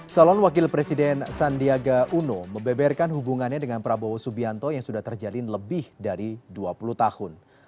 salon wakil presiden sandiaga uno membeberkan hubungannya dengan prabowo subianto yang sudah terjalin lebih dari dua puluh tahun